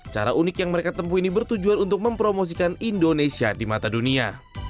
cara unik yang mereka tempuh ini bertujuan untuk mempromosikan indonesia di mata dunia